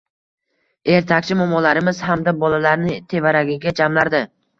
Ertakchi momolarimiz hamda bolalarni tevaragiga jamlardi.